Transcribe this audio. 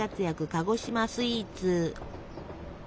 鹿児島スイーツ！